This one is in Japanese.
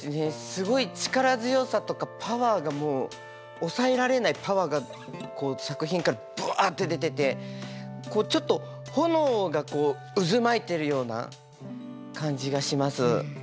すごい力強さとかパワーがもう抑えられないパワーが作品からブワって出ててちょっと炎が渦巻いてるような感じがします。